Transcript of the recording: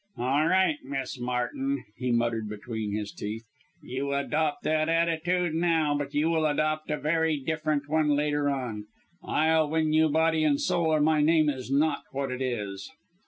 "All right, Miss Martin," he muttered between his teeth; "you adopt that attitude now, but you will adopt a very different one later on! I'll win you body and soul, or my name is not what it is."